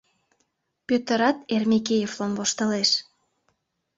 Пӧтырат Эрмекеевлан воштылеш: